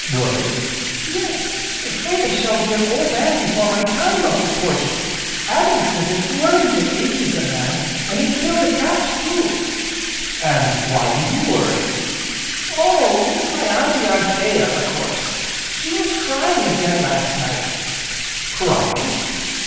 "Worried?" "Yes, 'fraid I shall be an old man before my time, Uncle Porges. Adam says it's worry that ages a man, an' it killed a cat too!" "And why do you worry?" "Oh, it's my Auntie Anthea, a course! she was crying again last night " "Crying!"